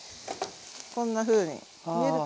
こんなふうに見えるかな？